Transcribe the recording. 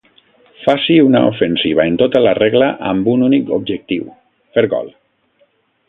Faci una ofensiva en tota la regla amb un únic objectiu: fer gol.